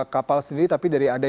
kapal sendiri tapi dari anda